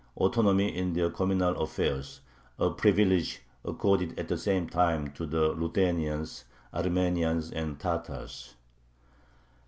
_ autonomy in their communal affairs, a privilege accorded at the same time to the Ruthenians, Armenians, and Tatars.